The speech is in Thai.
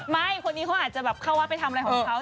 คนนี้เขาอาจจะแบบเข้าวัดไปทำอะไรของเขา